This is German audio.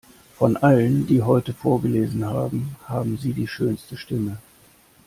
Von allen, die heute vorgelesen haben, haben Sie die schönste Stimme.